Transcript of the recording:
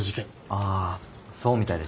ああそうみたいですね。